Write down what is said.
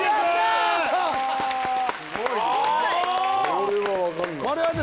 これはわからない。